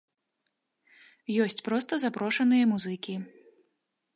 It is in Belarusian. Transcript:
Ёсць проста запрошаныя музыкі.